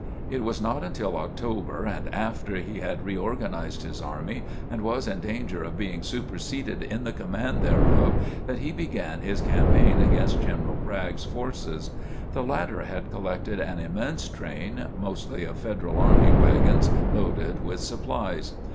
It was not until October and after he had reorganized his army and was in danger of being superseded in the command thereof that he began his campaign against General Bragg's forces. The latter had collected an immense train, mostly of Federal army wagons loaded with supplies.